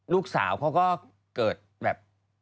ลูกสาวเขาก็เกิดแบบ